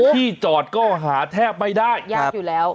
ที่จอดก็หาแทบไม่ได้แต่